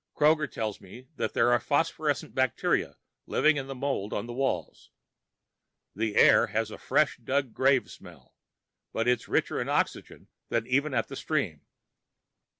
Kroger tells me that there are phosphorescent bacteria living in the mold on the walls. The air has a fresh dug grave smell, but it's richer in oxygen than even at the stream.